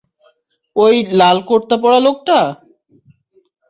ওই লাল কোর্তা পরা লোকটা?